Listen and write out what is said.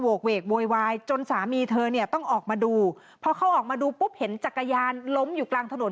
กเวกโวยวายจนสามีเธอเนี่ยต้องออกมาดูพอเขาออกมาดูปุ๊บเห็นจักรยานล้มอยู่กลางถนน